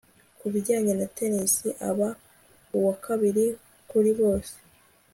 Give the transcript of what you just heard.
Ku bijyanye na tennis aba uwa kabiri kuri bose